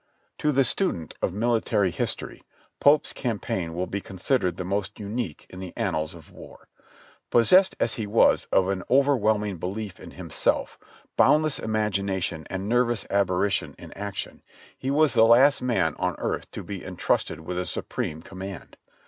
To the student of military history Pope's campaign will be considered the most unique in the annals of war. Possessed as he was of an overwhelming belief in himself, boundless imagination and nervous aberration in action, he was the last man on earth to be intrusted with a supreme command.